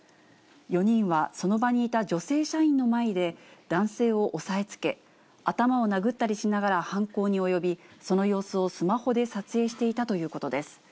４人はその場にいた女性社員の前で、男性を押さえつけ、頭を殴ったりしながら犯行に及び、その様子をスマホで撮影していたということです。